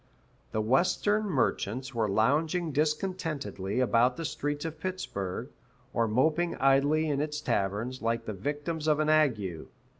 "The Western merchants were lounging discontentedly about the streets of Pittsburg, or moping idly in its taverns, like the victims of an ague."